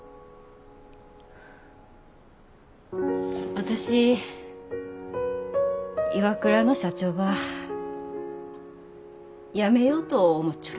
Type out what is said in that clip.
私ＩＷＡＫＵＲＡの社長ばやめようと思っちょる。